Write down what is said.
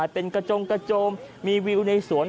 เป็นกระจมมีวิวในสวน